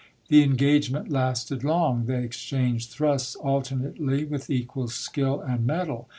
The engagement lasted long. They exchanged thrusts alternately, with equal skill and mettle.